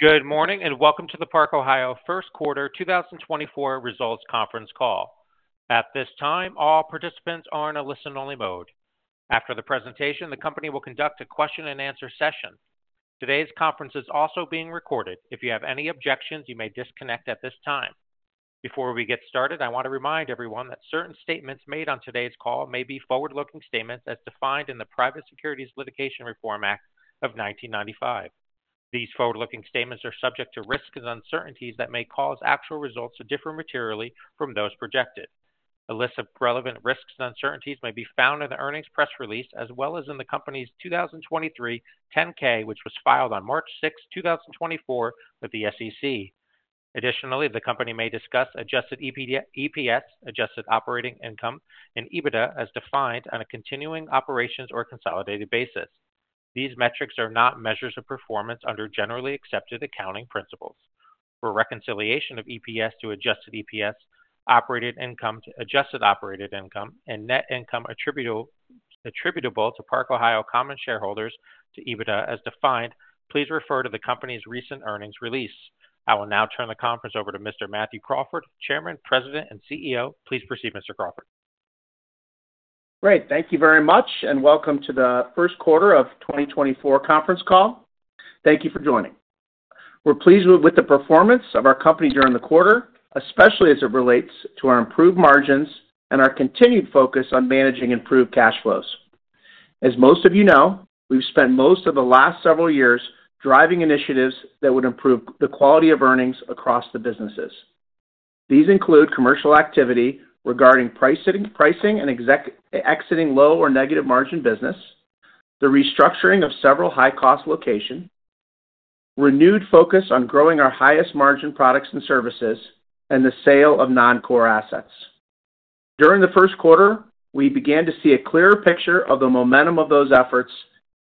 Good morning, and welcome to the Park-Ohio Q1 2024 Results Conference Call. At this time, all participants are in a listen-only mode. After the presentation, the company will conduct a question-and-answer session. Today's conference is also being recorded. If you have any objections, you may disconnect at this time. Before we get started, I want to remind everyone that certain statements made on today's call may be forward-looking statements as defined in the Private Securities Litigation Reform Act of 1995. These forward-looking statements are subject to risks and uncertainties that may cause actual results to differ materially from those projected. A list of relevant risks and uncertainties may be found in the earnings press release, as well as in the company's 2023 10-K, which was filed on March 6, 2024, with the SEC. Additionally, the company may discuss adjusted EPS, adjusted operating income, and EBITDA as defined on a continuing operations or consolidated basis. These metrics are not measures of performance under generally accepted accounting principles. For reconciliation of EPS to adjusted EPS, operating income to adjusted operating income, and net income attributable to Park-Ohio common shareholders to EBITDA as defined, please refer to the company's recent earnings release. I will now turn the conference over to Mr. Matthew Crawford, Chairman, President, and CEO. Please proceed, Mr. Crawford. Great. Thank you very much, and welcome to the Q1 of 2024 conference call. Thank you for joining. We're pleased with the performance of our company during the quarter, especially as it relates to our improved margins and our continued focus on managing improved cash flows. As most of you know, we've spent most of the last several years driving initiatives that would improve the quality of earnings across the businesses. These include commercial activity regarding pricing and exiting low or negative margin business, the restructuring of several high-cost locations, renewed focus on growing our highest margin products and services, and the sale of non-core assets. During the Q1, we began to see a clearer picture of the momentum of those efforts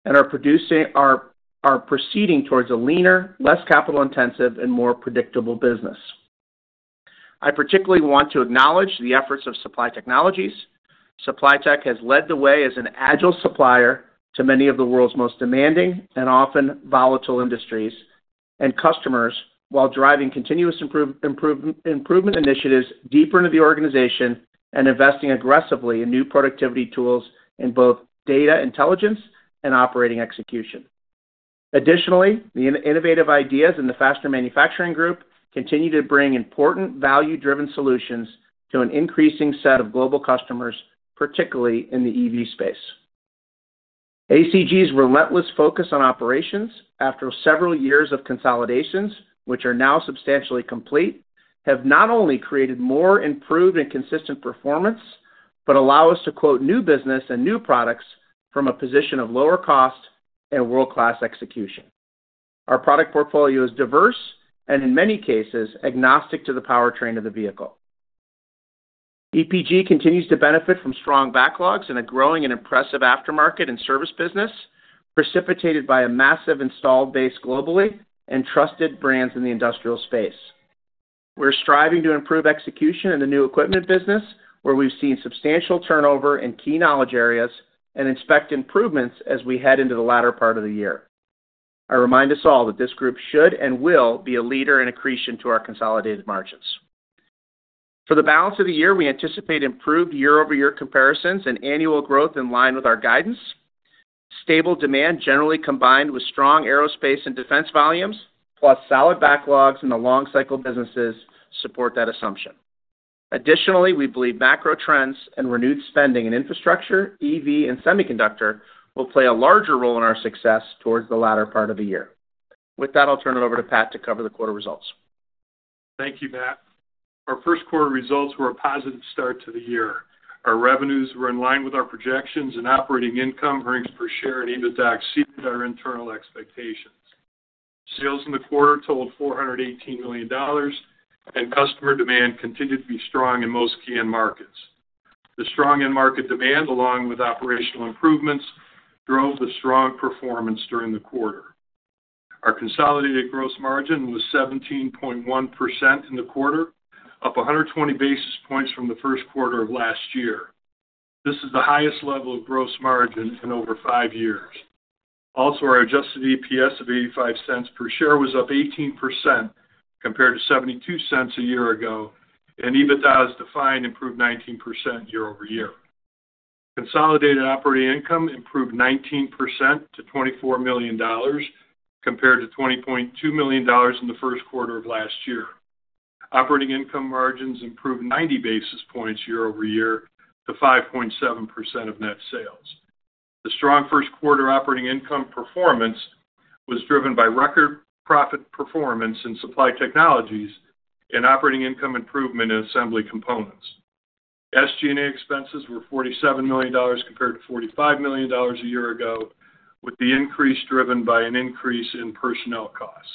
and are proceeding towards a leaner, less capital-intensive, and more predictable business. I particularly want to acknowledge the efforts of Supply Technologies. Supply Tech has led the way as an agile supplier to many of the world's most demanding and often volatile industries and customers, while driving continuous improvement initiatives deeper into the organization and investing aggressively in new productivity tools in both data intelligence and operating execution. Additionally, the innovative ideas in the fastener manufacturing group continue to bring important value-driven solutions to an increasing set of global customers, particularly in the EV space. ACG's relentless focus on operations after several years of consolidations, which are now substantially complete, have not only created more improved and consistent performance, but allow us to quote new business and new products from a position of lower cost and world-class execution. Our product portfolio is diverse and, in many cases, agnostic to the powertrain of the vehicle. EPG continues to benefit from strong backlogs and a growing and impressive aftermarket and service business, precipitated by a massive installed base globally and trusted brands in the industrial space. We're striving to improve execution in the new equipment business, where we've seen substantial turnover in key knowledge areas and expect improvements as we head into the latter part of the year. I remind us all that this group should and will be a leader in accretion to our consolidated margins. For the balance of the year, we anticipate improved year-over-year comparisons and annual growth in line with our guidance. Stable demand, generally combined with strong aerospace and defense volumes, plus solid backlogs in the long cycle businesses, support that assumption. Additionally, we believe macro trends and renewed spending in infrastructure, EV, and semiconductor will play a larger role in our success towards the latter part of the year. With that, I'll turn it over to Pat to cover the quarter results. Thank you, Matt. Our Q1 results were a positive start to the year. Our revenues were in line with our projections, and operating income, earnings per share, and EBITDA exceeded our internal expectations. Sales in the quarter totaled $418 million, and customer demand continued to be strong in most key end markets. The strong end market demand, along with operational improvements, drove the strong performance during the quarter. Our consolidated gross margin was 17.1% in the quarter, up 120 basis points from the Q1 of last year. This is the highest level of gross margin in over 5 years. Also, our adjusted EPS of $0.85 per share was up 18% compared to $0.72 a year ago, and EBITDA, as defined, improved 19% year-over-year. Consolidated operating income improved 19% to $24 million compared to $20.2 million in the Q1 of last year. Operating income margins improved 90 basis points year-over-year to 5.7% of net sales. The strong Q1 operating income performance was driven by record profit performance in Supply Technologies and operating income improvement in Assembly Components. SG&A expenses were $47 million compared to $45 million a year ago, with the increase driven by an increase in personnel costs.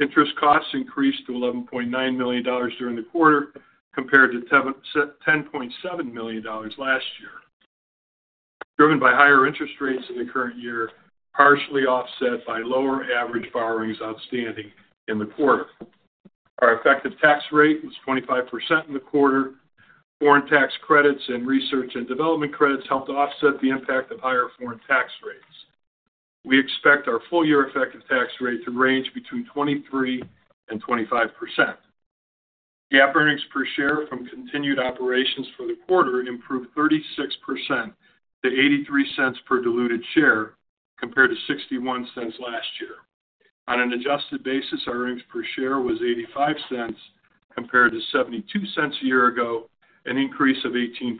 Interest costs increased to $11.9 million during the quarter, compared to $10.7 million last year, driven by higher interest rates in the current year, partially offset by lower average borrowings outstanding in the quarter. Our effective tax rate was 25% in the quarter. Foreign tax credits and research and development credits helped to offset the impact of higher foreign tax rates. We expect our full-year effective tax rate to range between 23% and 25%. GAAP earnings per share from continued operations for the quarter improved 36% to $0.83 per diluted share, compared to $0.61 last year. On an adjusted basis, our earnings per share was $0.85, compared to $0.72 a year ago, an increase of 18%.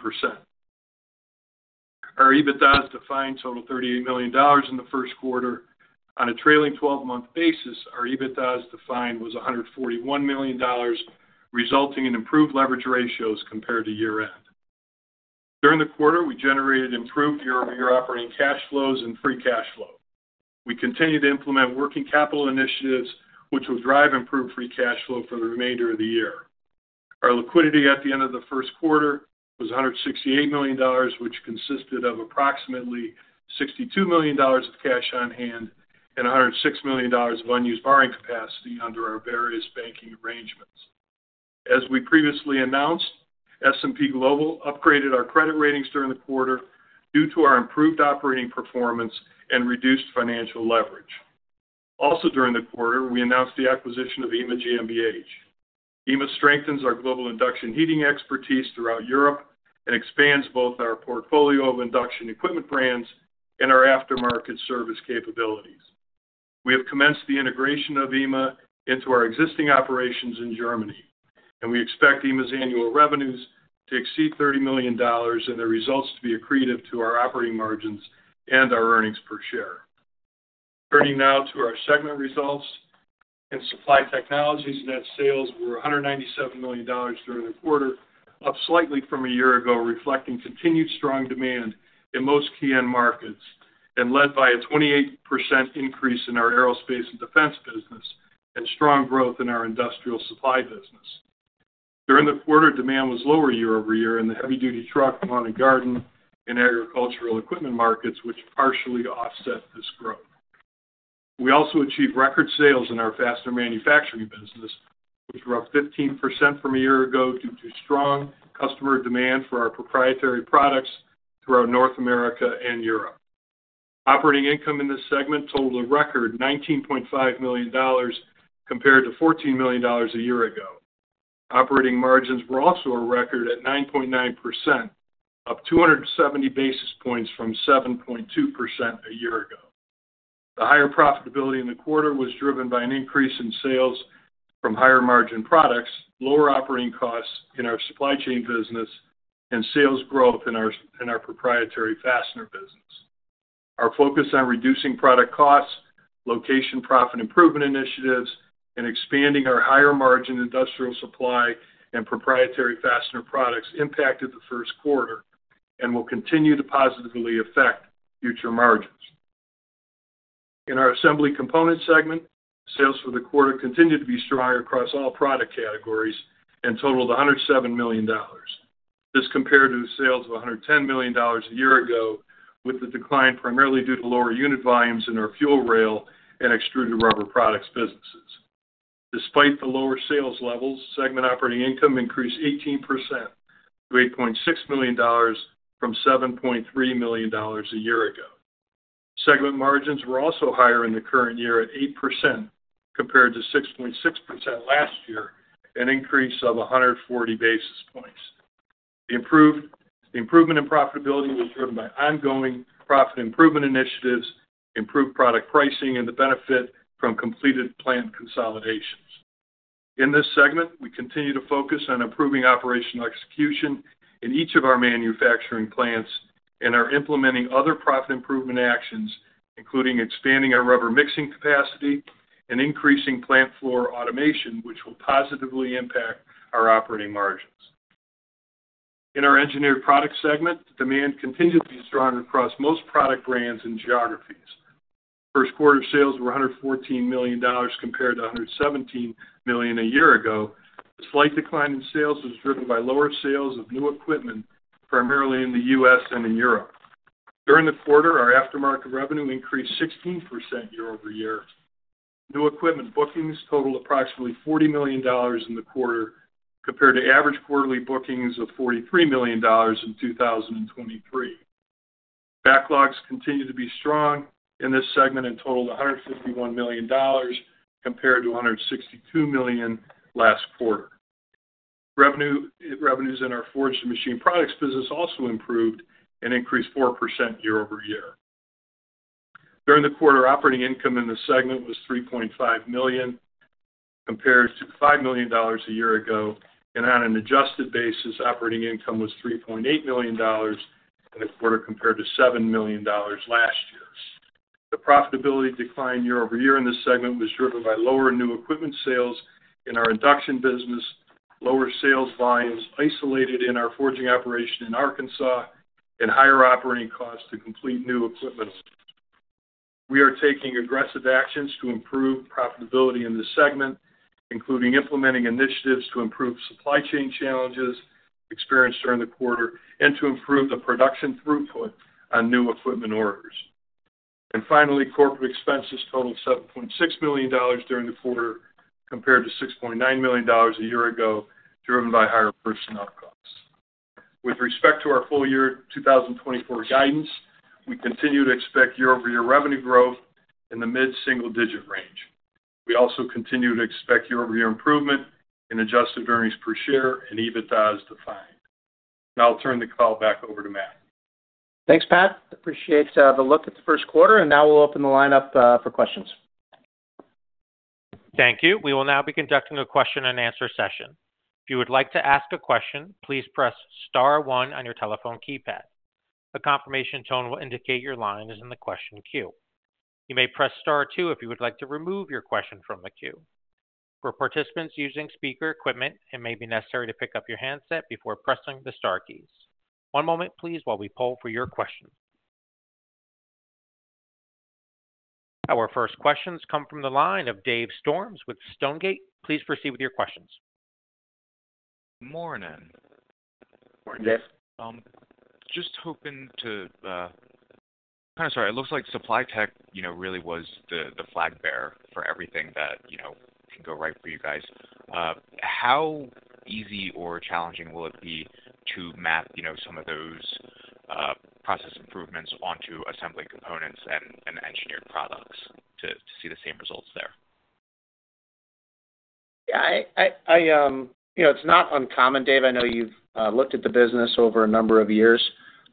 Our EBITDA as defined totaled $38 million in the Q1. On a trailing 12-month basis, our EBITDA as defined was $141 million, resulting in improved leverage ratios compared to year-end. During the quarter, we generated improved year-over-year operating cash flows and free cash flow. We continue to implement working capital initiatives, which will drive improved free cash flow for the remainder of the year. Our liquidity at the end of the Q1 was $168 million, which consisted of approximately $62 million of cash on hand and $106 million of unused borrowing capacity under our various banking arrangements. As we previously announced, S&P Global upgraded our credit ratings during the quarter due to our improved operating performance and reduced financial leverage. Also, during the quarter, we announced the acquisition of EMA GmbH. EMA strengthens our global induction heating expertise throughout Europe and expands both our portfolio of induction equipment brands and our aftermarket service capabilities. We have commenced the integration of EMA into our existing operations in Germany, and we expect EMA's annual revenues to exceed $30 million and their results to be accretive to our operating margins and our earnings per share. Turning now to our segment results. In Supply Technologies, net sales were $197 million during the quarter, up slightly from a year ago, reflecting continued strong demand in most key end markets, and led by a 28% increase in our aerospace and defense business and strong growth in our industrial supply business. During the quarter, demand was lower year-over-year in the heavy-duty truck, lawn and garden, and agricultural equipment markets, which partially offset this growth. We also achieved record sales in our fastener manufacturing business, which were up 15% from a year ago due to strong customer demand for our proprietary products throughout North America and Europe. Operating income in this segment totaled a record $19.5 million compared to $14 million a year ago. Operating margins were also a record at 9.9%, up 270 basis points from 7.2% a year ago. The higher profitability in the quarter was driven by an increase in sales from higher-margin products, lower operating costs in our supply chain business, and sales growth in our, in our proprietary fastener business. Our focus on reducing product costs, location, profit, and improvement initiatives, and expanding our higher-margin industrial supply and proprietary fastener products impacted the Q1 and will continue to positively affect future margins. In our Assembly Components segment, sales for the quarter continued to be strong across all product categories and totaled $107 million. This compared to the sales of $110 million a year ago, with the decline primarily due to lower unit volumes in our fuel rail and extruded rubber products businesses. Despite the lower sales levels, segment operating income increased 18% to $8.6 million from $7.3 million a year ago. Segment margins were also higher in the current year at 8%, compared to 6.6% last year, an increase of 140 basis points. The improvement in profitability was driven by ongoing profit improvement initiatives, improved product pricing, and the benefit from completed plant consolidations. In this segment, we continue to focus on improving operational execution in each of our manufacturing plants and are implementing other profit improvement actions, including expanding our rubber mixing capacity and increasing plant floor automation, which will positively impact our operating margins. In our Engineered Products segment, demand continued to be strong across most product brands and geographies. Q1 sales were $114 million, compared to $117 million a year ago. The slight decline in sales was driven by lower sales of new equipment, primarily in the U.S. and in Europe. During the quarter, our aftermarket revenue increased 16% year-over-year. New equipment bookings totaled approximately $40 million in the quarter, compared to average quarterly bookings of $43 million in 2023. Backlogs continued to be strong in this segment and totaled $151 million compared to $162 million last quarter. Revenues in our forged and machined products business also improved and increased 4% year-over-year. During the quarter, operating income in the segment was $3.5 million, compared to $5 million a year ago, and on an adjusted basis, operating income was $3.8 million in the quarter, compared to $7 million last year. The profitability decline year-over-year in this segment was driven by lower new equipment sales in our induction business, lower sales volumes isolated in our forging operation in Arkansas, and higher operating costs to complete new equipment. We are taking aggressive actions to improve profitability in this segment, including implementing initiatives to improve supply chain challenges experienced during the quarter and to improve the production throughput on new equipment orders. And finally, corporate expenses totaled $7.6 million during the quarter, compared to $6.9 million a year ago, driven by higher personnel costs. With respect to our full year 2024 guidance, we continue to expect year-over-year revenue growth in the mid-single digit range. We also continue to expect year-over-year improvement in adjusted earnings per share and EBITDA as defined. Now I'll turn the call back over to Matt. Thanks, Pat. Appreciate the look at the Q1, and now we'll open the line up for questions. Thank you. We will now be conducting a question and answer session. If you would like to ask a question, please press *1 on your telephone keypad. A confirmation tone will indicate your line is in the question queue. You may press *2 if you would like to remove your question from the queue. For participants using speaker equipment, it may be necessary to pick up your handset before pressing the star keys. One moment, please, while we poll for your question. Our first questions come from the line of Dave Storms with Stonegate. Please proceed with your questions. Morning. Morning. Just hoping to, sorry, it looks like Supply Tech, you know, really was the flag bearer for everything that, you know, can go right for you guys. How easy or challenging will it be to map, you know, some of those process improvements onto Assembly Components and Engineered Products to see the same results there? Yeah, you know, it's not uncommon, Dave. I know you've looked at the business over a number of years.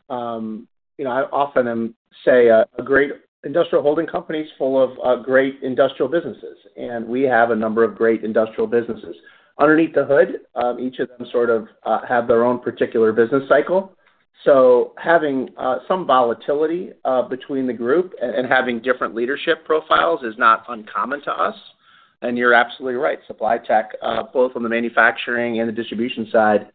You know, I often say a great industrial holding company is full of great industrial businesses, and we have a number of great industrial businesses. Underneath the hood, each of them sort of have their own particular business cycle. So having some volatility between the group and having different leadership profiles is not uncommon to us. And you're absolutely right, Supply Tech, both on the manufacturing and the distribution side,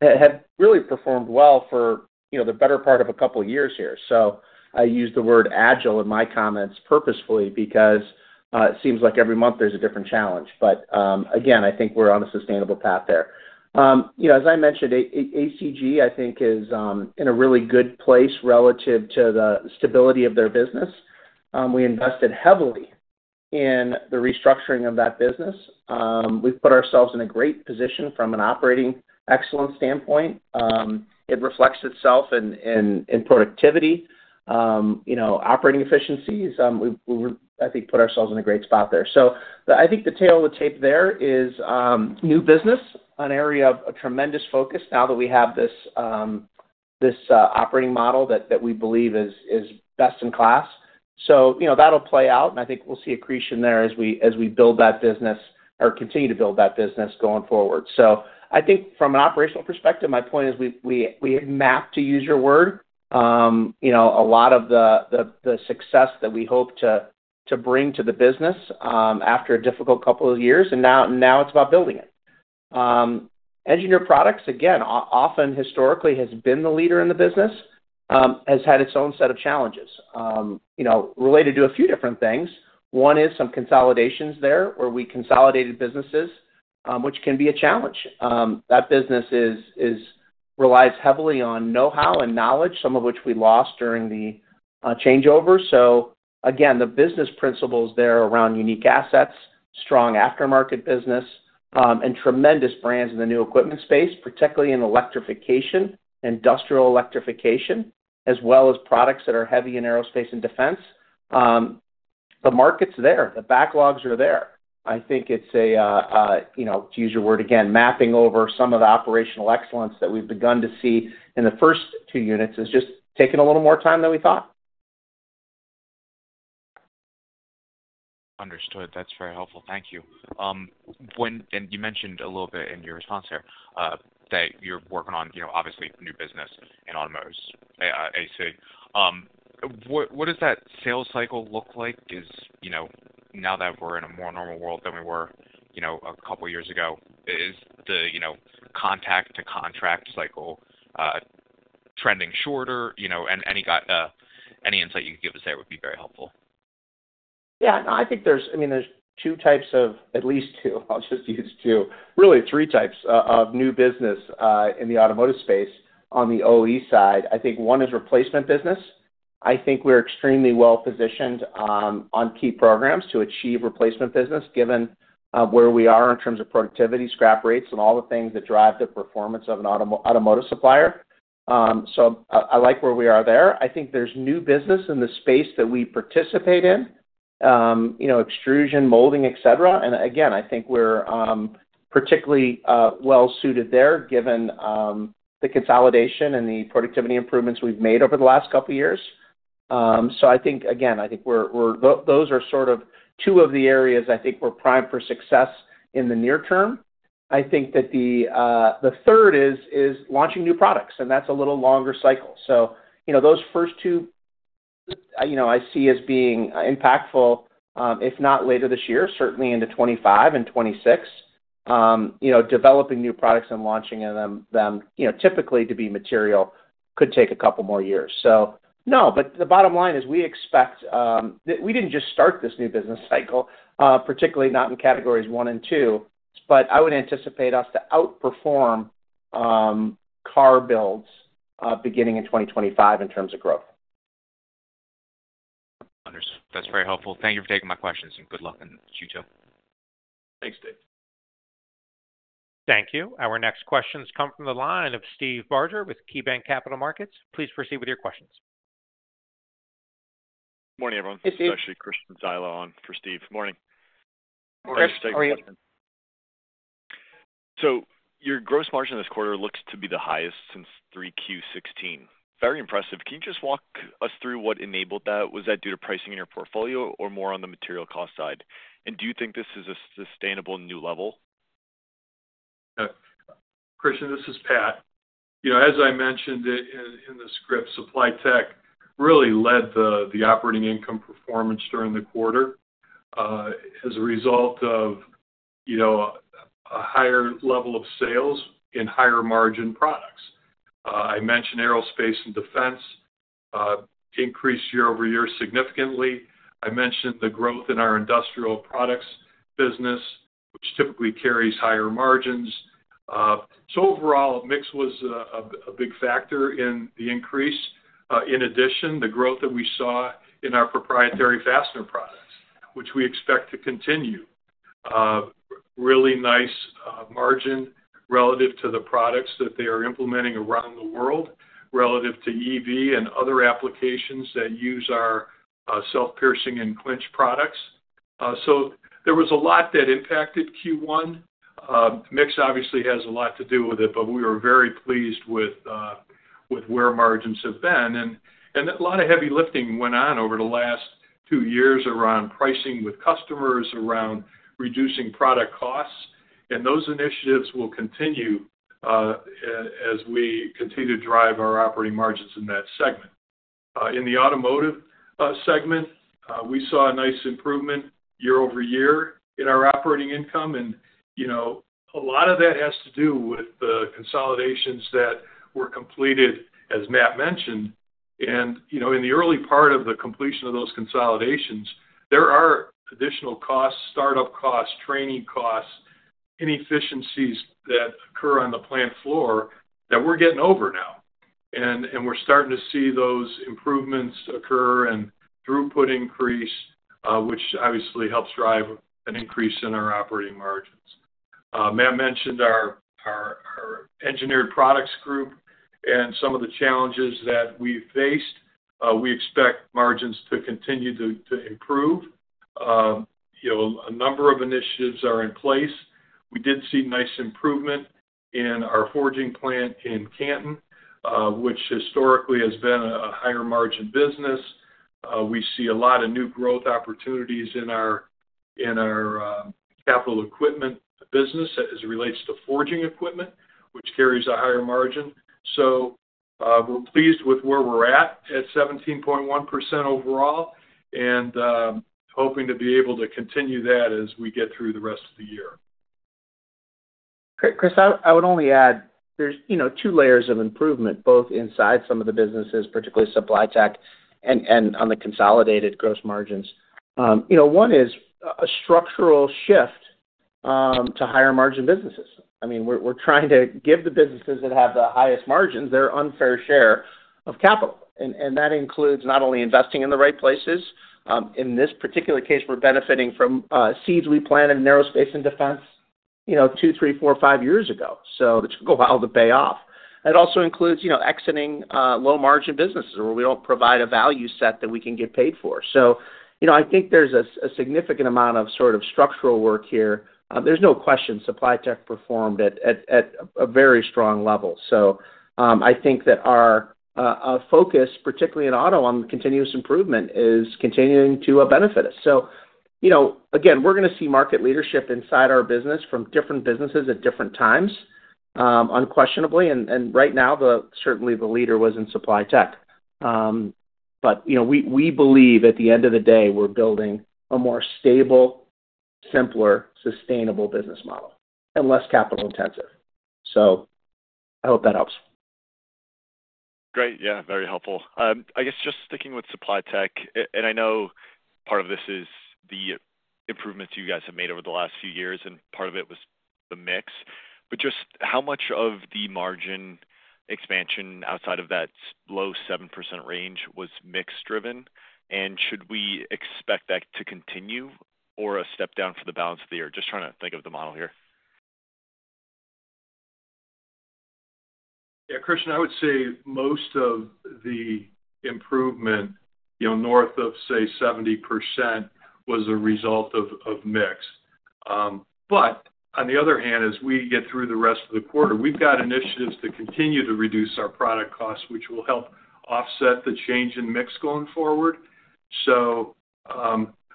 had really performed well for, you know, the better part of a couple of years here. So I use the word agile in my comments purposefully because it seems like every month there's a different challenge. But, again, I think we're on a sustainable path there. You know, as I mentioned, ACG, I think, is in a really good place relative to the stability of their business. We invested heavily in the restructuring of that business. We've put ourselves in a great position from an operating excellence standpoint. It reflects itself in productivity, you know, operating efficiencies. We, I think, put ourselves in a great spot there. So I think the tale of the tape there is new business, an area of a tremendous focus now that we have this operating model that we believe is best in class. So, you know, that'll play out, and I think we'll see accretion there as we build that business or continue to build that business going forward. So I think from an operational perspective, my point is we have mapped, to use your word, you know, a lot of the success that we hope to bring to the business after a difficult couple of years, and now it's about building it. Engineered Products, again, often historically has been the leader in the business, has had its own set of challenges, you know, related to a few different things. One is some consolidations there, where we consolidated businesses, which can be a challenge. That business relies heavily on know-how and knowledge, some of which we lost during the changeover. So again, the business principles there around unique assets, strong aftermarket business, and tremendous brands in the new equipment space, particularly in electrification, industrial electrification, as well as products that are heavy in aerospace and defense. The market's there, the backlogs are there. I think it's a, you know, to use your word again, mapping over some of the operational excellence that we've begun to see in the first 2 units, has just taken a little more time than we thought. Understood. That's very helpful. Thank you. When, and you mentioned a little bit in your response there, that you're working on, you know, obviously, new business in automotive, AC. What does that sales cycle look like? You know, now that we're in a more normal world than we were, you know, a couple of years ago, is the, you know, contact to contract cycle trending shorter, you know, and any insight you can give us there would be very helpful. Yeah, no, I think there's, I mean, there's 2 types of, at least 2, I'll just use 2, really 3 types of new business in the automotive space on the OE side. I think one is replacement business. I think we're extremely well positioned on key programs to achieve replacement business, given where we are in terms of productivity, scrap rates, and all the things that drive the performance of an automotive supplier. So I like where we are there. I think there's new business in the space that we participate in, you know, extrusion, molding, et cetera. And again, I think we're particularly well suited there, given the consolidation and the productivity improvements we've made over the last couple of years. So I think, again, I think we're, we're—those are sort of 2 of the areas I think we're primed for success in the near term. I think that the third is launching new products, and that's a little longer cycle. So, you know, those first 2, you know, I see as being impactful, if not later this year, certainly into 25 and 26. You know, developing new products and launching them, you know, typically to be material, could take a couple more years. So no, but the bottom line is, we expect that we didn't just start this new business cycle, particularly not in categories 1 and 2, but I would anticipate us to outperform... car builds, beginning in 2025 in terms of growth. Understood. That's very helpful. Thank you for taking my questions, and good luck in Q2. Thanks, Dave. Thank you. Our next questions come from the line of Steve Barger with KeyBanc Capital Markets. Please proceed with your questions. Morning, everyone. Hey, Steve. It's actually Christian Zilo on for Steve. Morning. Morning, how are you? So your gross margin this quarter looks to be the highest since 3Q 2016. Very impressive. Can you just walk us through what enabled that? Was that due to pricing in your portfolio or more on the material cost side? And do you think this is a sustainable new level? Christian, this is Pat. You know, as I mentioned in the script, Supply Tech really led the operating income performance during the quarter, as a result of, you know, a higher level of sales in higher margin products. I mentioned aerospace and defense, increased year-over-year significantly. I mentioned the growth in our industrial products business, which typically carries higher margins. So overall, mix was a big factor in the increase. In addition, the growth that we saw in our proprietary fastener products, which we expect to continue. Really nice margin relative to the products that they are implementing around the world, relative to EV and other applications that use our self-piercing and clinch products. So there was a lot that impacted Q1. Mix obviously has a lot to do with it, but we were very pleased with where margins have been. A lot of heavy lifting went on over the last 2 years around pricing with customers, around reducing product costs, and those initiatives will continue as we continue to drive our operating margins in that segment. In the automotive segment, we saw a nice improvement year-over-year in our operating income. You know, a lot of that has to do with the consolidations that were completed, as Matt mentioned. You know, in the early part of the completion of those consolidations, there are additional costs, startup costs, training costs, inefficiencies that occur on the plant floor that we're getting over now. We're starting to see those improvements occur and throughput increase, which obviously helps drive an increase in our operating margins. Matt mentioned our engineered products group and some of the challenges that we faced. We expect margins to continue to improve. You know, a number of initiatives are in place. We did see nice improvement in our forging plant in Canton, which historically has been a higher margin business. We see a lot of new growth opportunities in our capital equipment business as it relates to forging equipment, which carries a higher margin. So, we're pleased with where we're at 17.1% overall, and hoping to be able to continue that as we get through the rest of the year. Great, Chris, I would only add, there's, you know, 2 layers of improvement, both inside some of the businesses, particularly Supply Tech, and on the consolidated gross margins. You know, one is a structural shift to higher margin businesses. I mean, we're trying to give the businesses that have the highest margins, their unfair share of capital. And that includes not only investing in the right places, in this particular case, we're benefiting from seeds we planted in Aerospace and Defense, you know, 2, 3, 4, 5 years ago. So it's going well to pay off. It also includes, you know, exiting low margin businesses where we don't provide a value set that we can get paid for. So, you know, I think there's a significant amount of sort of structural work here. There's no question, Supply Tech performed at a very strong level. So, I think that our focus, particularly in auto, on the continuous improvement, is continuing to benefit us. So, you know, again, we're gonna see market leadership inside our business from different businesses at different times, unquestionably. And right now, certainly the leader was in Supply Tech. But, you know, we believe at the end of the day, we're building a more stable, simpler, sustainable business model and less capital intensive. So I hope that helps. Great. Yeah, very helpful. I guess just sticking with Supply Tech, and I know part of this is the improvements you guys have made over the last few years, and part of it was the mix. But just how much of the margin expansion outside of that low 7% range was mix driven? And should we expect that to continue or a step down for the balance of the year? Just trying to think of the model here. Yeah, Christian, I would say most of the improvement, you know, north of, say, 70%, was a result of mix. But on the other hand, as we get through the rest of the quarter, we've got initiatives to continue to reduce our product costs, which will help offset the change in mix going forward. So,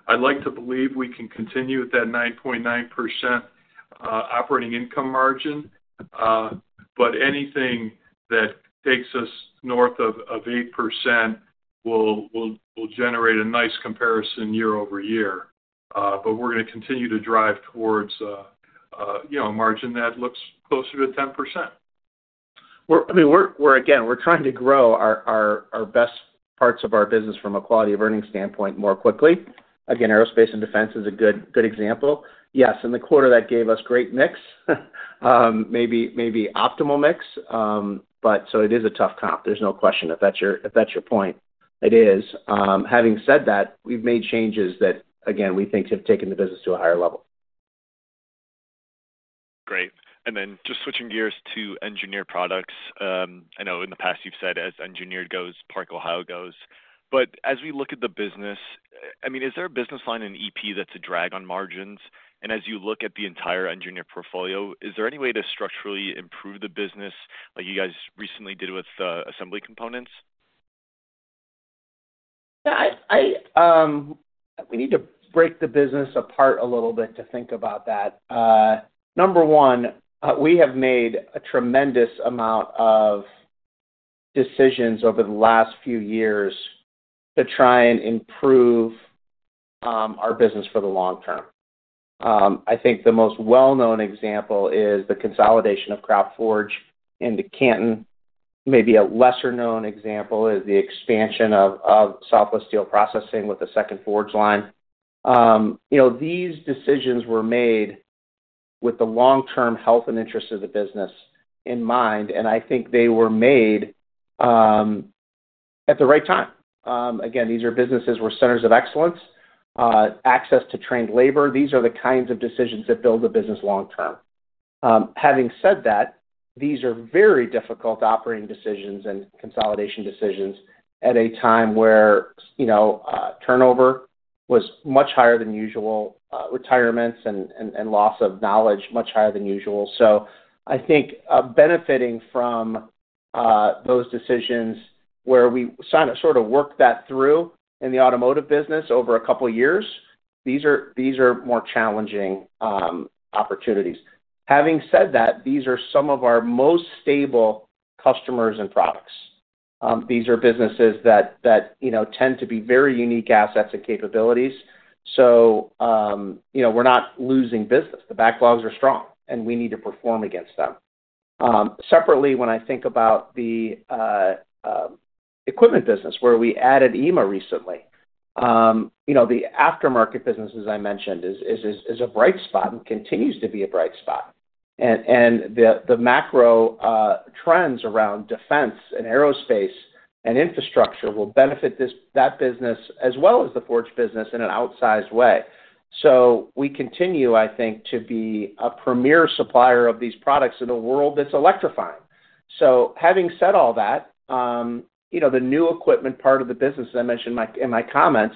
I'd like to believe we can continue at that 9.9% operating income margin, but anything that takes us north of 8% will generate a nice comparison year-over-year. But we're gonna continue to drive towards a, you know, a margin that looks closer to 10%.... We're, I mean, we're again trying to grow our best parts of our business from a quality of earnings standpoint more quickly. Again, aerospace and defense is a good example. Yes, in the quarter that gave us great mix, maybe optimal mix, but so it is a tough comp. There's no question if that's your point. It is. Having said that, we've made changes that, again, we think have taken the business to a higher level. Great. And then just switching gears to Engineered Products. I know in the past you've said as Engineered Products goes, Park-Ohio goes. But as we look at the business, I mean, is there a business line in EP that's a drag on margins? And as you look at the entire Engineered Products portfolio, is there any way to structurally improve the business, like you guys recently did with the Assembly Components? We need to break the business apart a little bit to think about that. Number one, we have made a tremendous amount of decisions over the last few years to try and improve our business for the long term. I think the most well-known example is the consolidation of Kropp Forge into Canton. Maybe a lesser-known example is the expansion of Southwest Steel Processing with the second forge line. You know, these decisions were made with the long-term health and interest of the business in mind, and I think they were made at the right time. Again, these are businesses where centers of excellence, access to trained labor, these are the kinds of decisions that build the business long term. Having said that, these are very difficult operating decisions and consolidation decisions at a time where, you know, turnover was much higher than usual, retirements and loss of knowledge, much higher than usual. So I think, benefiting from those decisions where we sort of worked that through in the automotive business over a couple of years, these are more challenging opportunities. Having said that, these are some of our most stable customers and products. These are businesses that you know, tend to be very unique assets and capabilities. So, you know, we're not losing business. The backlogs are strong, and we need to perform against them. Separately, when I think about the equipment business where we added EMA recently, you know, the aftermarket business, as I mentioned, is a bright spot and continues to be a bright spot. And the macro trends around defense and aerospace and infrastructure will benefit that business as well as the forge business in an outsized way. So we continue, I think, to be a premier supplier of these products in a world that's electrifying. So having said all that, you know, the new equipment part of the business, as I mentioned in my comments,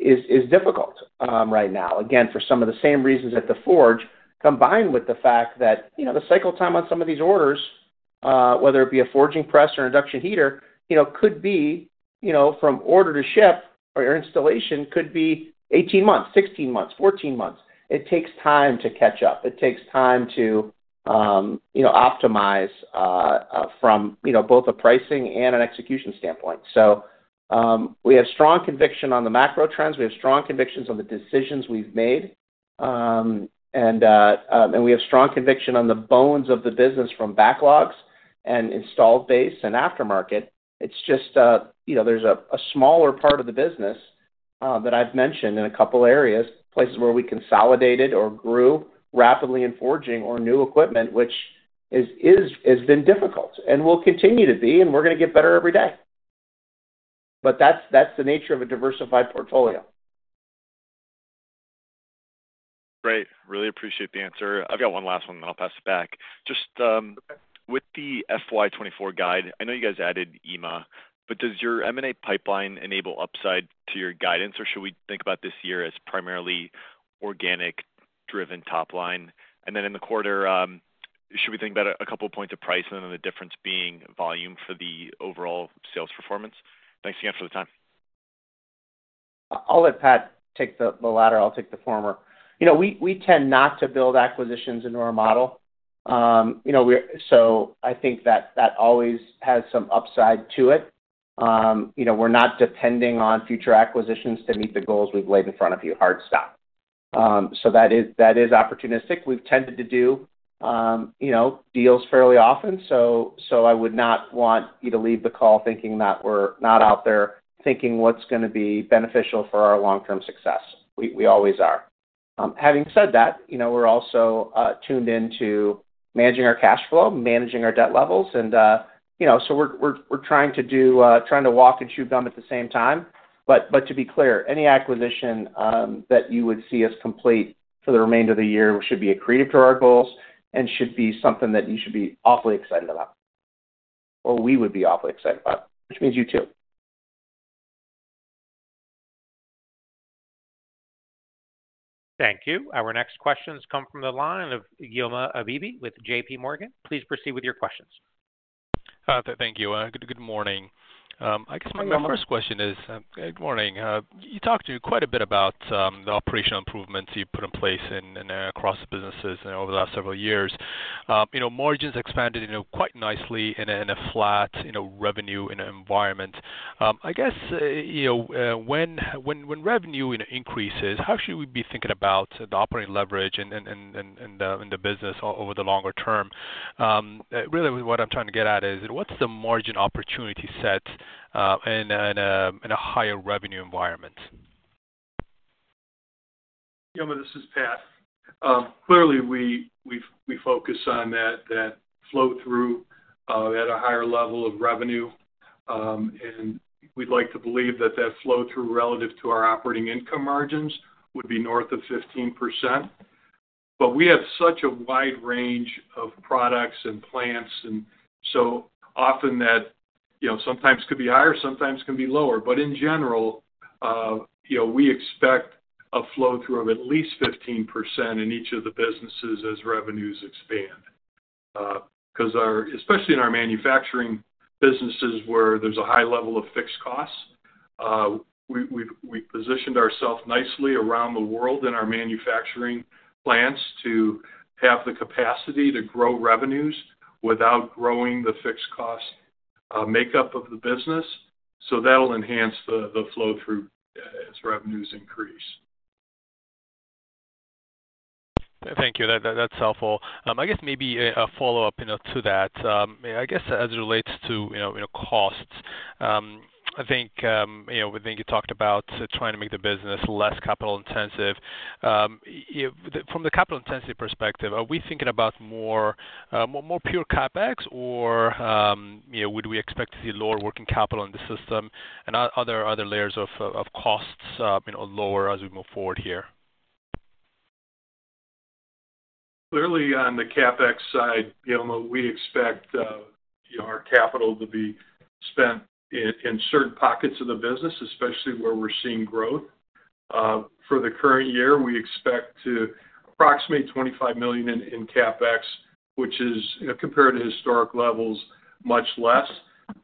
is difficult right now. Again, for some of the same reasons at the forge, combined with the fact that, you know, the cycle time on some of these orders, whether it be a forging press or induction heater, you know, could be, you know, from order to ship or your installation could be 18 months, 16 months, 14 months. It takes time to catch up. It takes time to, you know, optimize, from, you know, both a pricing and an execution standpoint. So, we have strong conviction on the macro trends. We have strong convictions on the decisions we've made. And we have strong conviction on the bones of the business from backlogs and installed base and aftermarket. It's just, you know, there's a smaller part of the business that I've mentioned in a couple areas, places where we consolidated or grew rapidly in forging or new equipment, which has been difficult and will continue to be, and we're gonna get better every day. But that's the nature of a diversified portfolio. Great. Really appreciate the answer. I've got one last one, then I'll pass it back. Just, Okay. With the FY 2024 guide, I know you guys added EMA, but does your M&A pipeline enable upside to your guidance, or should we think about this year as primarily organic-driven top line? And then in the quarter, should we think about a couple of points of price and then the difference being volume for the overall sales performance? Thanks again for the time. I'll let Pat take the latter. I'll take the former. You know, we tend not to build acquisitions into our model. You know, so I think that always has some upside to it. You know, we're not depending on future acquisitions to meet the goals we've laid in front of you. Hard stop. So that is opportunistic. We've tended to do you know, deals fairly often, so I would not want you to leave the call thinking that we're not out there, thinking what's gonna be beneficial for our long-term success. We always are. Having said that, you know, we're also tuned into managing our cash flow, managing our debt levels, and you know, so we're trying to walk and chew gum at the same time. But to be clear, any acquisition that you would see us complete for the remainder of the year should be accretive to our goals and should be something that you should be awfully excited about, or we would be awfully excited about, which means you, too. Thank you. Our next question comes from the line of Guillaume Abibi with JP Morgan. Please proceed with your questions. Thank you, good morning. I guess my first question is, good morning. You talked quite a bit about the operational improvements you've put in place and across the businesses over the last several years. You know, margins expanded, you know, quite nicely in a flat revenue environment. I guess, you know, when revenue increases, how should we be thinking about the operating leverage and the business over the longer term? Really, what I'm trying to get at is, what's the margin opportunity set in a higher revenue environment? Yeah, this is Pat. Clearly, we focus on that flow-through at a higher level of revenue. And we'd like to believe that that flow-through, relative to our operating income margins, would be north of 15%. But we have such a wide range of products and plants, and so often that, you know, sometimes could be higher, sometimes can be lower. But in general, you know, we expect a flow-through of at least 15% in each of the businesses as revenues expand. 'Cause our, especially in our manufacturing businesses, where there's a high level of fixed costs, we've positioned ourselves nicely around the world in our manufacturing plants to have the capacity to grow revenues without growing the fixed cost makeup of the business. So that'll enhance the flow-through as revenues increase. Thank you. That's helpful. I guess maybe a follow-up, you know, to that. I guess, as it relates to, you know, costs, I think, you know, we think you talked about trying to make the business less capital intensive. From the capital intensity perspective, are we thinking about more, more pure CapEx, or, you know, would we expect to see lower working capital in the system and other layers of costs, you know, lower as we move forward here? Clearly, on the CapEx side, you know, we expect, you know, our capital to be spent in, in certain pockets of the business, especially where we're seeing growth. For the current year, we expect to approximate $25 million in CapEx, which is, you know, compared to historic levels, much less.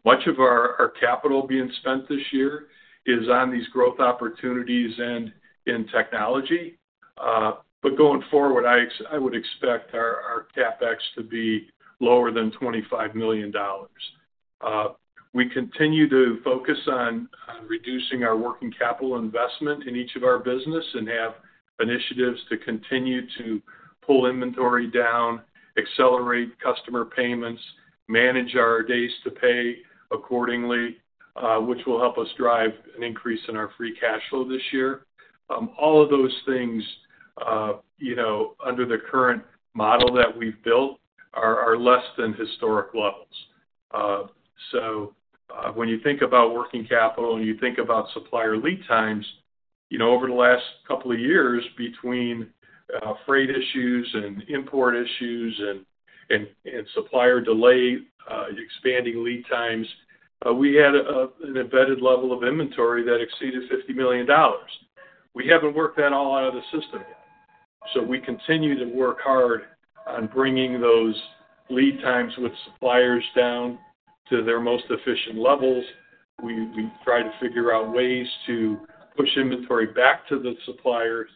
Much of our capital being spent this year is on these growth opportunities and in technology. But going forward, I would expect our CapEx to be lower than $25 million. We continue to focus on reducing our working capital investment in each of our business and have initiatives to continue to pull inventory down, accelerate customer payments, manage our days to pay accordingly, which will help us drive an increase in our free cash flow this year. All of those things, you know, under the current model that we've built, are less than historic levels. So, when you think about working capital, and you think about supplier lead times, you know, over the last couple of years, between freight issues and import issues and supplier delay, expanding lead times, we had an embedded level of inventory that exceeded $50 million. We haven't worked that all out of the system yet, so we continue to work hard on bringing those lead times with suppliers down to their most efficient levels. We try to figure out ways to push inventory back to the suppliers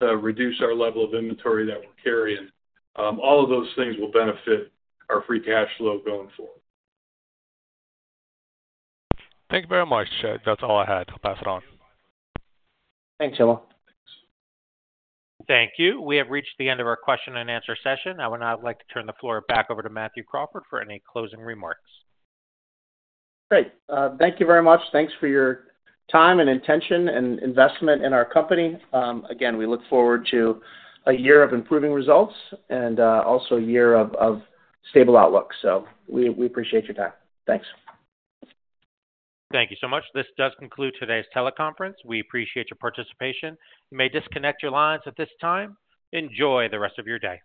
to reduce our level of inventory that we're carrying. All of those things will benefit our free cash flow going forward. Thank you very much. That's all I had. I'll pass it on. Thanks, Guillaume. Thank you. We have reached the end of our question and answer session. I would now like to turn the floor back over to Matthew Crawford for any closing remarks. Great. Thank you very much. Thanks for your time and attention and investment in our company. Again, we look forward to a year of improving results and also a year of stable outlook. So we appreciate your time. Thanks. Thank you so much. This does conclude today's teleconference. We appreciate your participation. You may disconnect your lines at this time. Enjoy the rest of your day.